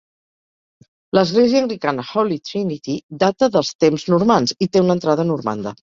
L'església anglicana Holy Trinity data dels temps normands i té una entrada normanda.